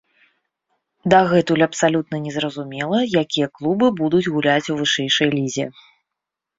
Дагэтуль абсалютна не зразумела, якія клубы будуць гуляць у вышэйшай лізе.